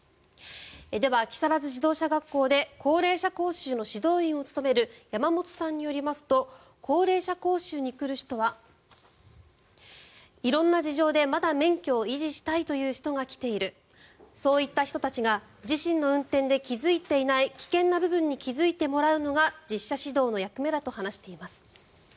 では木更津自動車学校で高齢者講習の指導員を務める山本さんによりますと高齢者講習に来る人は色んな事情でまだ免許を維持したいという人が来ているそういった人たちが自身の運転で気付いていない危険な部分に気付いてもらうのが実車指導の役目だと話しています。